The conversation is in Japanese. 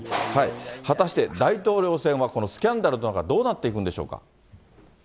果たして大統領選は、このスキャンダルの中、どうなっていくんでしょうか。